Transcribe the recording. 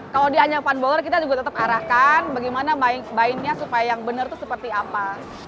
kalau dia hanya fun bowler kita juga tetap arahkan bagaimana mainnya supaya yang benar itu seperti apa